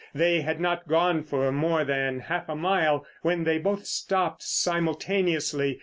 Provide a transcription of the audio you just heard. They had not gone for more than half a mile when they both stopped simultaneously.